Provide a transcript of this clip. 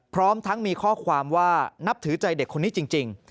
พร้อมทั้งมีข้อความว่านับถือใจเด็กคนนี้จริง